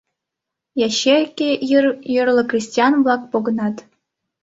Ячейке йыр йорло кресаньык-влак погынат.